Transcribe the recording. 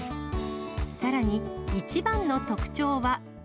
さらに、一番の特徴は。